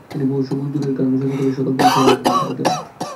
তিনি বহু সহজ-সুরের গান রচনা করে সদলবলে সেই গান গেয়ে বেড়াতেন।